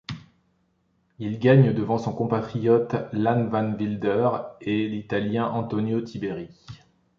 Il gagne devant son compatriote Ilan Van Wilder et l'Italien Antonio Tiberi.